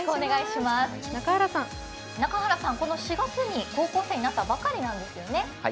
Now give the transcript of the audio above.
中原さん、この４月に高校生になったばかりなんですよね。